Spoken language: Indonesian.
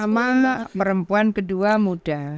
pertama perempuan kedua muda